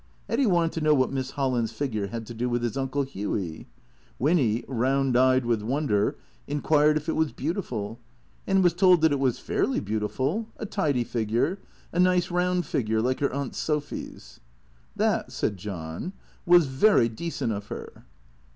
Eddy wanted to know what Miss Holland's figure had to do with his Uncle Hughy. Winny, round eyed with wonder, in quired if it was beautiful, and was told that it was fairly beau tiful, a tidy figure, a nice round figure, like her Aunt Sophy's. " That," said John, " was very decent of her."